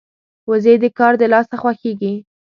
وزې د کار د لاسه خوښيږي